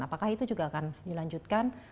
apakah itu juga akan dilanjutkan